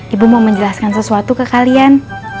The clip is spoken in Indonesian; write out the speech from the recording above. ibu mau menjelaskan sesuatu ke kalian